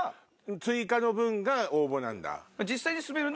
追加の分が応募なんだ。